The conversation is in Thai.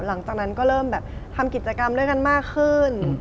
หลังจากนั้นก็เริ่มแบบทำกิจกรรมด้วยกันมากขึ้น